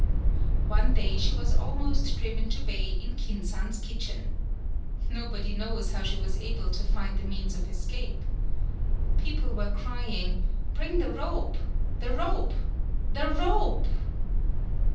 One day she was almost driven to bay in Kin san's kitchen. Nobody knows how she was able to find the means of escape ! Peo ple were crying: "Bring the rope the rope, the rope!'